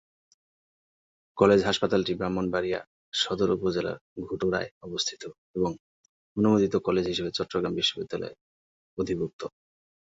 College হাসপাতালটি ব্রাহ্মণবাড়িয়া সদর উপজেলার ঘাটুরায় অবস্থিত এবং অনুমোদিত কলেজ হিসেবে চট্টগ্রাম বিশ্ববিদ্যালয়ের অধিভুক্ত।